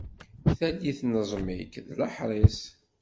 Tallit n ẓẓmik d leḥris.